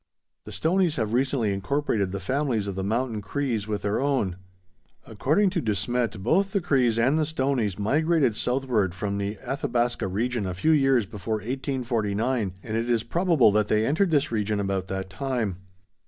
The Stoneys have recently incorporated the families of the Mountain Crees with their own. According to De Smet, both the Crees and the Stoneys migrated southward from the Athabasca region a few years before 1849, and it is probable that they entered this region about that time.